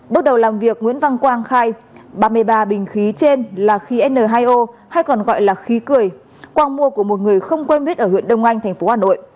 bước đầu làm việc nguyễn văn quang khai ba mươi ba bình khí trên là khí n hai o hay còn gọi là khí cười quang mua của một người không quen biết ở huyện đông anh tp hà nội